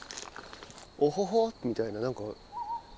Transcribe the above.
「おほほ」みたいな何か。